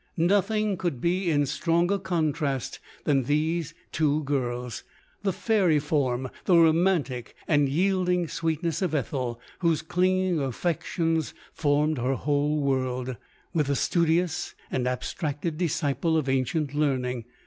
Nothing LODORE. 227 could be in stronger contrast than these two girls; — the fairy form, the romantic and yield ing sweetness of Ethel, whose clinging affections formed her whole world, — with the studious and abstracted disciple of ancient learning.